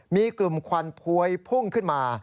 มีกลุ่มควันพวยพุ่งขึ้นมา